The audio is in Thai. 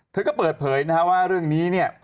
เธอก็เปิดเผยนะฮะว่าเรื่องนี้เนี่ย